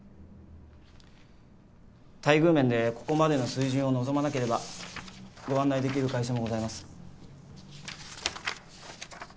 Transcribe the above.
待遇面でここまでの水準を望まなければご案内できる会社もございます。